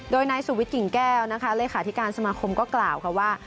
โดยนายสุวิทย์กิ่งแก้วนะคะเลขาธิการสมาคมก็กล่าวค่ะว่า